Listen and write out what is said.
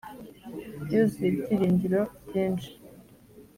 byuzuye ibyiringiro byinshi